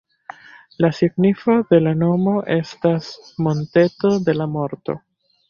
La signifo de la nomo estas ""monteto de la morto"".